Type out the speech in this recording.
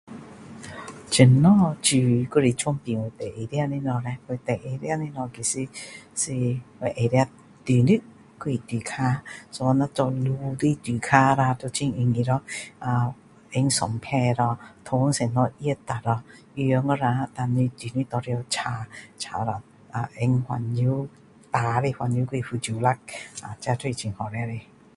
怎样煮还是准备我最爱吃的东西叻我最爱吃的东西其实是我爱吃猪肉还是猪脚 so 若是做卤的猪脚啦就很容易啊就里放蒜头咯汤先拿来热下咯糖先拿来容一下咯胆你猪肉拿进去炒炒了后放辣椒干的辣椒或者福州辣啊这就是很好吃的